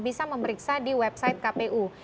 bisa memeriksa di website kpu